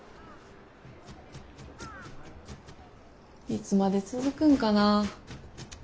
いつまで続くんかな。